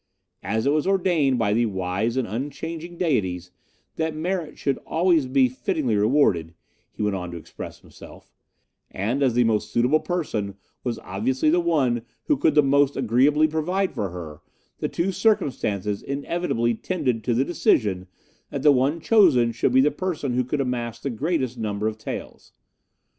As it was ordained by the wise and unchanging Deities that merit should always be fittingly rewarded, he went on to express himself, and as the most suitable person was obviously the one who could the most agreeably provide for her, the two circumstances inevitably tended to the decision that the one chosen should be the person who could amass the greatest number of taels.